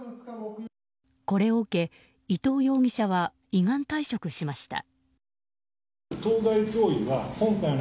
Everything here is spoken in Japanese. これを受け、伊藤容疑者は依願退職しました。